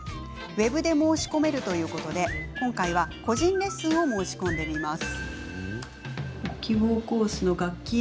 ウェブで申し込めるということで今回は個人レッスンを申し込んでみます。